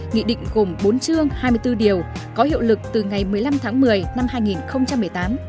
nghị định gồm bốn chương hai mươi bốn điều có hiệu lực từ ngày một mươi năm tháng một mươi năm hai nghìn một mươi tám